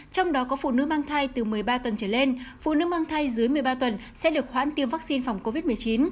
trong đó có phụ nữ mang thai từ một mươi ba tuần trở lên phụ nữ mang thai dưới một mươi ba tuần sẽ được hoãn tiêm vaccine phòng covid một mươi chín